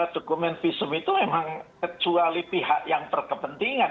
dokumen visum itu memang kecuali pihak yang berkepentingan